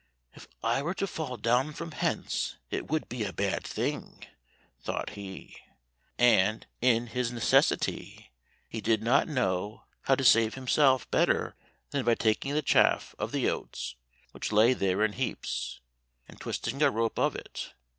"If I were to fall down from hence it would be a bad thing," thought he, and in his necessity he did not know how to save himself better than by taking the chaff of the oats which lay there in heaps, and twisting a rope of it.